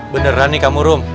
beneran nih kamu rum